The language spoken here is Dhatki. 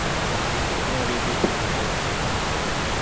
ڇوڪريان ري بي ٽيم هي.